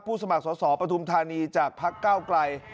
สมัครสอสอปฐุมธานีจากพักเก้าไกล